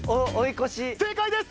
正解です！